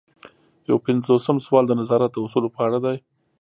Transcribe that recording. یو پنځوسم سوال د نظارت د اصولو په اړه دی.